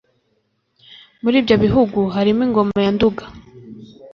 Muri ibyo bihugu harimo Ingoma ya Nduga